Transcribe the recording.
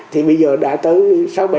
thì bây giờ đã tạo ra